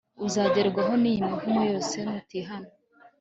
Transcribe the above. uzagerwaho n'iyi mivumo yose nutihana